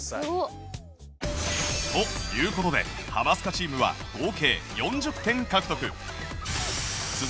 という事でハマスカチームは合計４０点獲得